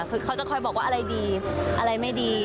คือเขาจะคอยบอกว่าอะไรดีอะไรไม่ดี